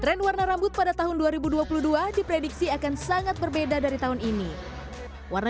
tren warna rambut pada tahun dua ribu dua puluh dua diprediksi akan sangat berbeda dari tahun ini warna